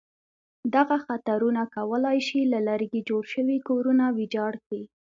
دغه خطرونه کولای شي له لرګي جوړ شوي کورونه ویجاړ کړي.